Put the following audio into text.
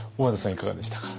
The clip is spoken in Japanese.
いかがでしたか？